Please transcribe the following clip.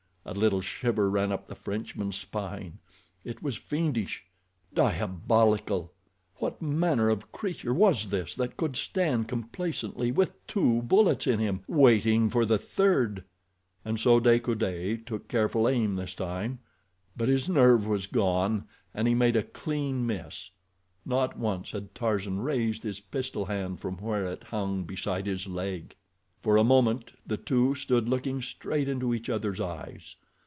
A little shiver ran up the Frenchman's spine. It was fiendish—diabolical. What manner of creature was this that could stand complacently with two bullets in him, waiting for the third? And so De Coude took careful aim this time, but his nerve was gone, and he made a clean miss. Not once had Tarzan raised his pistol hand from where it hung beside his leg. For a moment the two stood looking straight into each other's eyes.